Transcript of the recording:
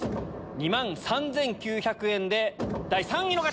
２万３９００円で第３位の方！